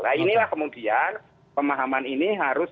nah inilah kemudian pemahaman ini harus